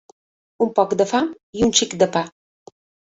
Un poc de fam i un xic de pa.